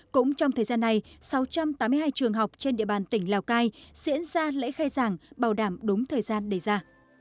cũng trong thời gian này sáu trăm tám mươi hai trường học trên địa bàn tỉnh lào cai diễn ra lễ khai giảng bảo đảm đúng thời gian đề ra